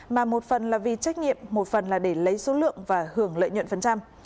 công an là vì trách nhiệm một phần là để lấy số lượng và hưởng lợi nhuận phần trăm